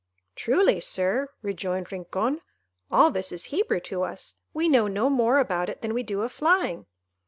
"Truly, Sir," rejoined Rincon, "all this is Hebrew to us; we know no more about it than we do of flying."